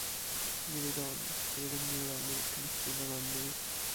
ni li lon. pilin mi la mi lukin e sina lon ni.